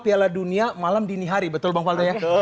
piala dunia malam dini hari betul bang faldo ya